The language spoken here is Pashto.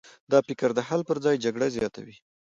دا فکر د حل پر ځای جګړه زیاتوي.